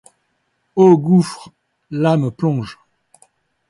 Ô gouffre ! l’âme plonge… »